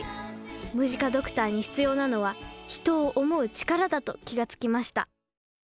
ムジカドクターに必要なのは人を思う力だと気が付きました